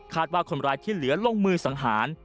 ว่าคนร้ายที่เหลือลงมือสังหาร